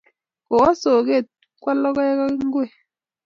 Kowo soget ipkwal logoek ak ingwek.